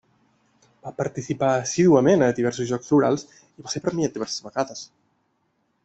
Va participar assíduament a diversos Jocs Florals i va ser premiat diverses vegades.